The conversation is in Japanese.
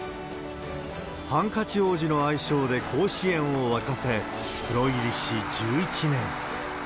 ハンカチ王子の愛称で甲子園を沸かせ、プロ入りし１１年。